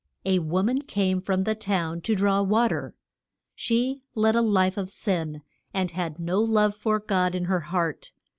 A wo man came from the town to draw wa ter. She led a life of sin, and had no love for God in her heart.